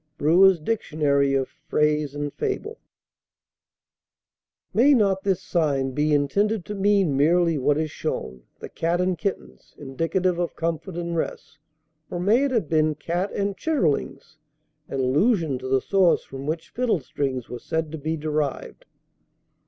BREWER'S Dictionary of Phrase and Fable. May not this sign be intended to mean merely what is shown, "The Cat and Kittens," indicative of comfort and rest? Or may it have been "Cat and Chitterlings," in allusion to the source from which fiddlestrings were said to be derived?